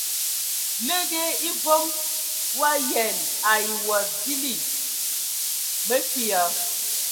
Liigi hm e vom o ayǝan ai wa vili. Mǝ ke ya !